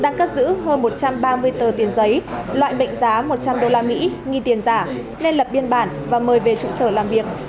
nguyễn trọng hiếu đang cất giữ hơn một trăm ba mươi tờ tiền giấy loại mệnh giá một trăm linh đô la mỹ nghi tiền giả nên lập biên bản và mời về trụ sở làm việc